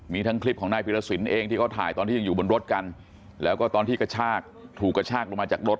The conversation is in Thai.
มีทั้งคลิปของนายพิรสินเองที่เขาถ่ายตอนที่ยังอยู่บนรถกันแล้วก็ตอนที่กระชากถูกกระชากลงมาจากรถ